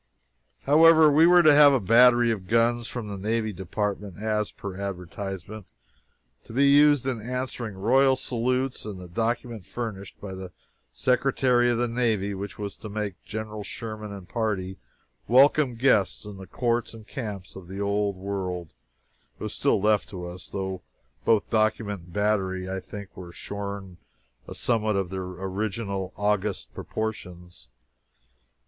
However, we were to have a "battery of guns" from the Navy Department (as per advertisement) to be used in answering royal salutes; and the document furnished by the Secretary of the Navy, which was to make "General Sherman and party" welcome guests in the courts and camps of the old world, was still left to us, though both document and battery, I think, were shorn of somewhat of their original august proportions.